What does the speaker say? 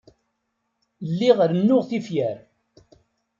Lliɣ rennuɣ tifyar.